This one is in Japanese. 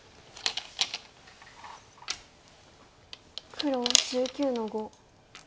黒１９の五。